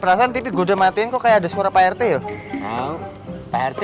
perasaan tv udah matiin kok ada suara pak rt